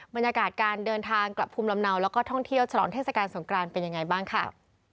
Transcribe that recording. บรรยากาศการเดินทางกลับภูมิลำเนาแล้วก็ท่องเที่ยวฉลองเทศกาลสงกรานเป็นยังไงบ้างค่ะ